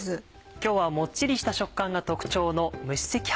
今日はもっちりした食感が特徴の「蒸し赤飯」